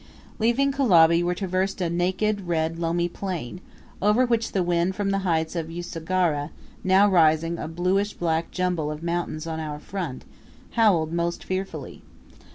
Leaving Kulabi, we traversed a naked, red, loamy plain, over which the wind from the heights of Usagara, now rising a bluish black jumble of mountains in our front, howled most fearfully.